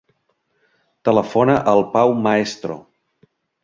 Telefona al Pau Maestro.